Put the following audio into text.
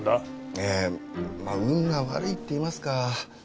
ええまあ運が悪いっていいますか。